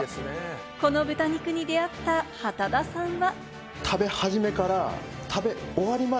この豚肉に出会った畑田さんは。